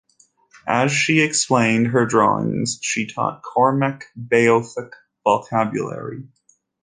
As she explained her drawings, she taught Cormack Beothuk vocabulary.